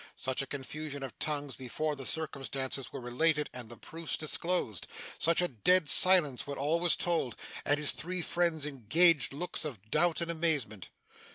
Such a confusion of tongues, before the circumstances were related, and the proofs disclosed! Such a dead silence when all was told, and his three friends exchanged looks of doubt and amazement!